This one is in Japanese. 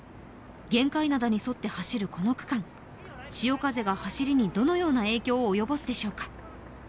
玄界灘に沿って走るこの区間潮風が走りにどのような影響を及ぼすでしょうか。